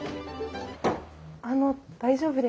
あの大丈夫ですか？